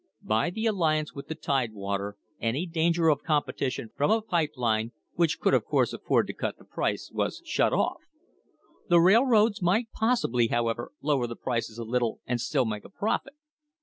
By the alliance with the Tidewater any danger of competition from a pipe line, which could of course afford to cut the price, was shut off. The railroads might possibly, however, lower the prices a little and still make a profit.